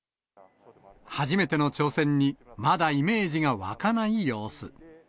初めての挑戦にまだイメージが湧かない様子。